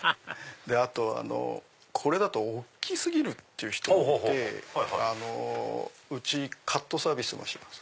あとこれだと大き過ぎるって人もいてうちカットサービスもします。